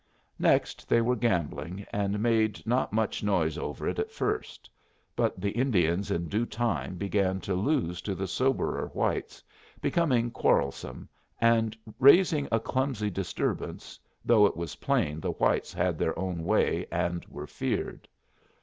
Next they were gambling, and made not much noise over it at first; but the Indians in due time began to lose to the soberer whites, becoming quarrelsome, and raising a clumsy disturbance, though it was plain the whites had their own way and were feared.